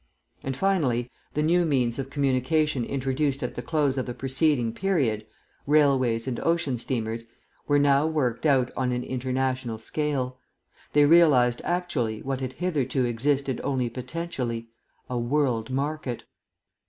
And, finally, the new means of communication introduced at the close of the preceding period railways and ocean steamers were now worked out on an international scale; they realised actually, what had hitherto existed only potentially, a world market.